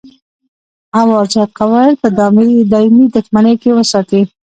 او ازاد قبایل په دایمي دښمنۍ کې وساتي.